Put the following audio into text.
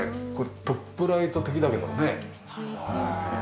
トップライト的だけどもね。